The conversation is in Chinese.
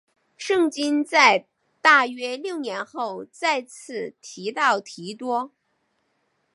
圣经在大约六年后再次提到提多。